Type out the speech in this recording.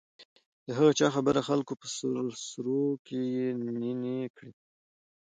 د هغه چا خبره خلکو په سروو کې يې نينې کړې .